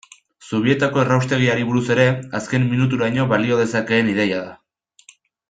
Zubietako erraustegiari buruz ere, azken minuturaino balio dezakeen ideia da.